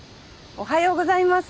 おはようございます。